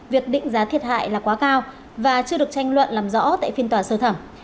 việc định giá thiệt hại là quá cao và chưa được tranh luận làm rõ tại phiên tòa sơ thẩm